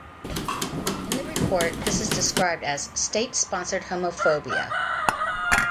In the report, this is described as "State sponsored homophobia".